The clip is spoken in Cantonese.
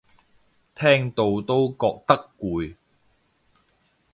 聽到都覺得攰